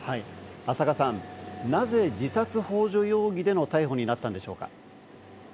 浅賀さん、なぜ自殺ほう助容疑での逮捕になったんでしょうか？